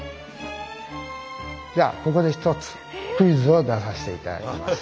じゃあここでひとつクイズを出させていただきます。